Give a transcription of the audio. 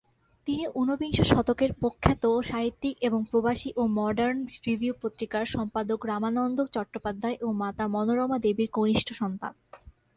তিনি ঊনবিংশ শতকের প্রখ্যাত সাহিত্যিক এবং প্রবাসী ও মডার্ন রিভিউ পত্রিকার সম্পাদক রামানন্দ চট্টোপাধ্যায় ও মাতা মনোরমা দেবীর কনিষ্ঠ সন্তান।